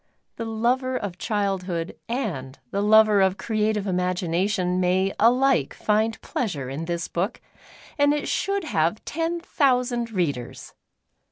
The lover of childhood and the lover of creative imagination may alike find pleasure in this book, and it should have ten thousand readers.